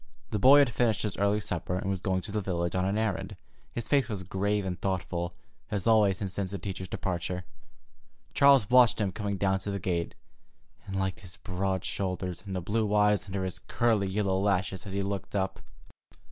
The boy had finished his early supper, and was going to the village on an errand. His face was grave and thoughtful, as always since the teacher's departure. Charles watched him coming down to the gate, and liked his broad shoulders, and the blue eyes under his curly yellow lashes as he looked up.